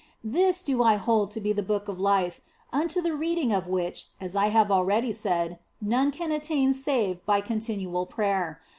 This do I hold to be the Book of Life, unto the reading of which (as I have already said), none can attain save by continual prayer.